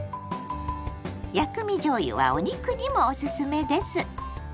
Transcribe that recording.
「薬味じょうゆ」はお肉にもオススメです。